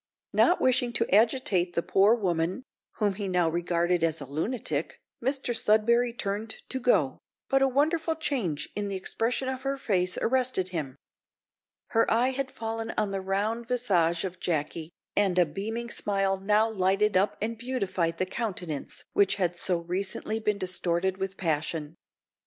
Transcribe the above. Not wishing to agitate the poor woman, whom he now regarded as a lunatic, Mr Sudberry turned to go, but a wonderful change in the expression of her face arrested him. Her eye had fallen on the round visage of Jacky, and a beaming smile now lighted up and beautified the countenance which had so recently been distorted with passion.